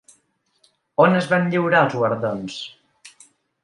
On es van lliurar els guardons?